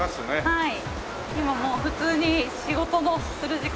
はい。